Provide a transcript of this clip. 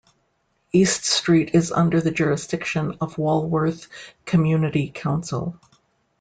East Street is under the jurisdiction of Walworth Community Council.